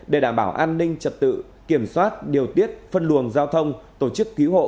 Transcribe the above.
để đảm bảo an ninh trật tự kiểm soát điều tiết phân luồng giao thông tổ chức cứu hộ